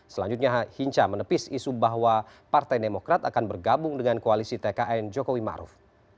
selanjutnya hinca menepis isu bahwa partai demokrat akan bergabung dengan koalisi tkn jokowi maruf